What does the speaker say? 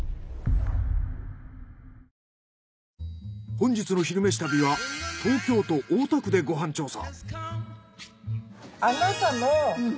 本日の「昼めし旅」は東京都大田区でご飯調査。